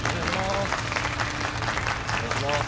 お願いします。